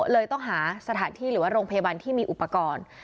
เลยต้องหาสถานที่หรือว่าโรงพยาบาลที่มีอุปกรณ์